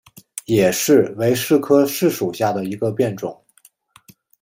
野柿为柿科柿属下的一个变种。